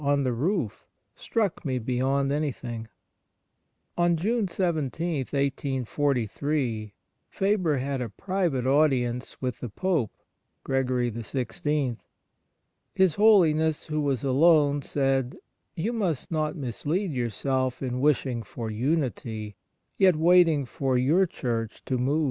on the roof struck me beyond anything.' On June 17, 1843, Faber had a private audience with the Pope, Gregory XVI. His Holiness, who was alone, said :' You must not mislead yourself in wishing for unity, yet waiting for your Church to move.